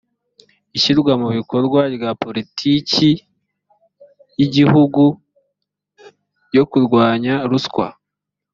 ishyirwa mu bikorwa rya politiki y ‘igihugu yo kurwanya ruswa.